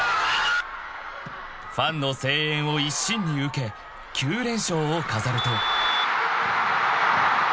［ファンの声援を一身に受け９連勝を飾ると］